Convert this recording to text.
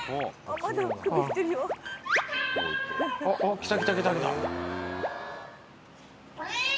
おっ来た来た来た来た。